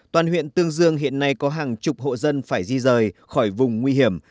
toàn huyện tương dương hiện nay có hàng chục hộ dân phải di rời khỏi vùng nguy hiểm